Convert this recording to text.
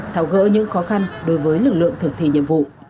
thảo gỡ những khó khăn đối với lực lượng thực thi nhiệm vụ